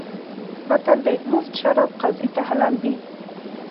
متل دی: مفت شراب قاضي ته حلال دي.